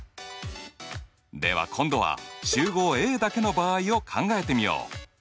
では今度は集合Ａだけの場合を考えてみよう。